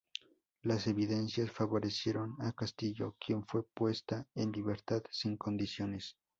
Las evidencias favorecieron a Castillo quien fue puesta en libertad sin condiciones.